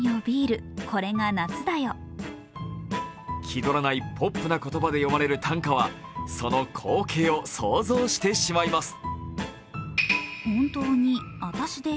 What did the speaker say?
気取らないポップな言葉で詠まれる短歌はその光景を想像してしまいます。